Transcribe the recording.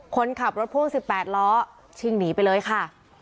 คนขับรถพ่วง๑๘ล้อชิ่งหนีไปเลยค่ะ